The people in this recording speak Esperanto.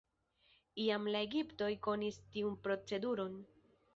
Jam la egiptoj konis tiun proceduron.